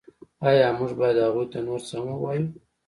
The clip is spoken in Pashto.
ایا موږ باید هغوی ته نور څه هم ووایو